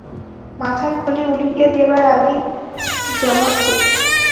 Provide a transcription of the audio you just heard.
মাথার খুলি উড়িয়ে দেওয়ার আগেই জবাব দে।